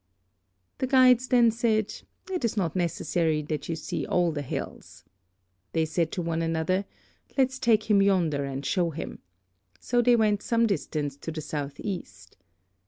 "The guides then said, 'It is not necessary that you see all the hells.' They said to one another, 'Let's take him yonder and show him;' so they went some distance to the south east.